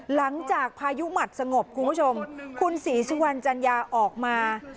หลังจากพายุหมัดสงบคุณผู้ชมคุณศรีสุวรรณจัญญาออกมา